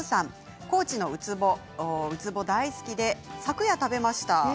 高知のウツボ大好きで昨夜食べました。